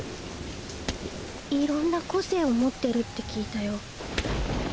色んな個性を持ってるって聞いたよ。